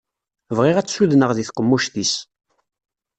Bɣiɣ ad tt-sudneɣ di tqemmuct-is.